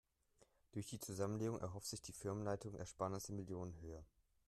Durch die Zusammenlegung erhofft sich die Firmenleitung Ersparnisse in Millionenhöhe.